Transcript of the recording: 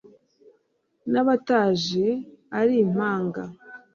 n'abataje ari impanga